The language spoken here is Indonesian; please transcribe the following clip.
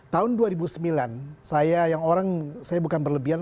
tahun dua ribu sembilan saya yang orang saya bukan berlebihan